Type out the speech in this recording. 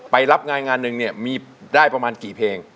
ไปรับงานหนึ่งนี่มีได้ประมาณกี่เพลง